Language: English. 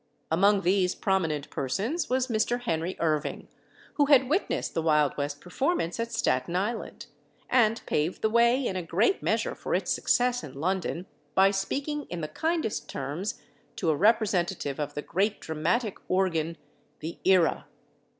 Among these prominent persons was Mr. Henry Irving, who had witnessed the Wild West performance at Staten Island, and paved the way in a great measure for its success in London by speaking in the kindest terms to a representative of the great dramatic organ, The Era.